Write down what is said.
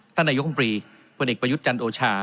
ท่านอายุคมปรีผู้เน็กประยุทธ์จันทร์โอชา